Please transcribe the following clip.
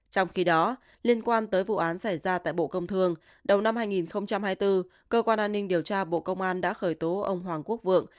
trong khi đó liên quan tới vụ án xảy ra tại bộ công thương đầu năm hai nghìn hai mươi bốn cơ quan an ninh điều tra bộ công an đã khởi tố ông hoàng quốc vượng